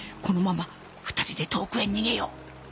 このまま２人で遠くへ逃げよう。